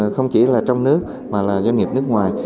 không chỉ là trong nước mà là doanh nghiệp nước ngoài